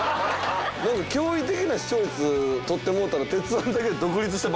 驚異的な視聴率取ってもうたら「鉄−１」だけで独立した番組。